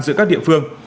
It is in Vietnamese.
giữa các địa phương